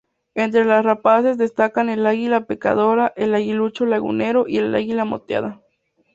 Entre las rapaces destacan el águila pescadora, el aguilucho lagunero y el águila moteada.